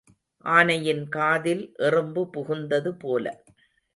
ஆனையின் காதில் எறும்பு புகுந்தது போல.